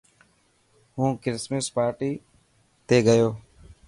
هون ڪرسمس پارٽي تي گيو.